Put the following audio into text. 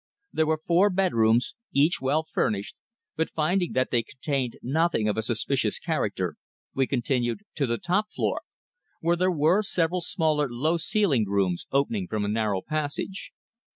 There were four bedrooms, each well furnished, but finding that they contained nothing of a suspicious character we continued to the top floor, where there were several smaller low ceilinged rooms opening from a narrow passage.